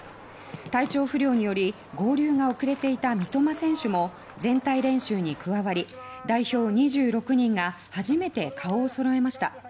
体調不良により合流が遅れていた三苫選手も全体練習に加わり代表２６人が初めて顔を揃えました。